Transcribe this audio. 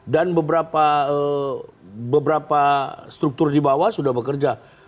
dan beberapa struktur di bawah sudah bekerja